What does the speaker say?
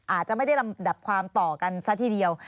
อาจจะไม่ได้ลำดับความต่อกันซะทีเดียว